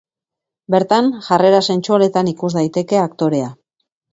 Bertan, jarrera sentsualetan ikus daiteke aktorea.